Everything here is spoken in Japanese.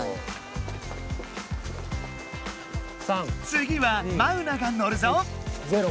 つぎはマウナが乗るぞ！